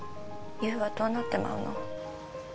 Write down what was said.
優はどうなってまうの？